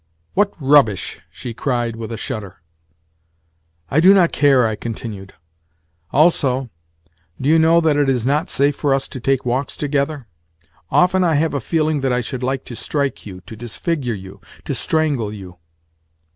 "What rubbish!" she cried with a shudder. "I do not care," I continued. "Also, do you know that it is not safe for us to take walks together? Often I have a feeling that I should like to strike you, to disfigure you, to strangle you.